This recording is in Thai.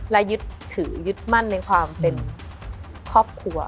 และยึดถือยึดมั่นในความเป็นครอบครัว